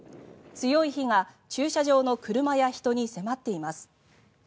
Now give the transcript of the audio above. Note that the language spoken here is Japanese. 強い火が駐車場の車や人に迫っています。